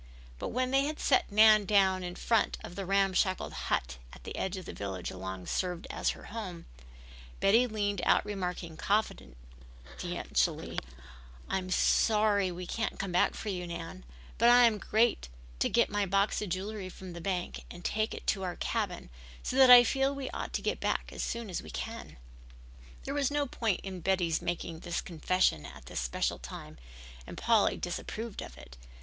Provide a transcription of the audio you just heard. But when they had set Nan down in front of the ram shackle hut at the edge of the village which served as her home, Betty leaned out remarking confidentially: "I am sorry we can't come back for you, Nan, but I am to get my box of jewelry from the bank and take it to our cabin so that I feel we ought to get back as soon as we can." There was no point in Betty's making this confession at this special time and Polly disapproved of it.